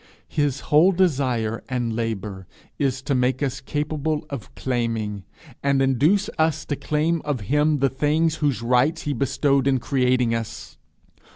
his whole desire and labour is to make us capable of claiming, and induce us to claim of him the things whose rights he bestowed in creating us.